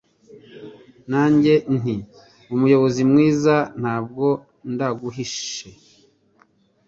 Nanjye nti Umuyobozi mwiza ntabwo ndaguhishe